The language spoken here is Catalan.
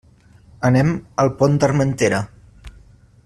Anem al Pont d'Armentera.